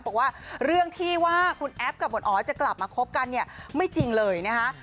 บอกว่าเรื่องที่ว่าคุณแอฟกับบทออสจะกลับมาคบกันเนี่ยไม่จริงเลยนะคะ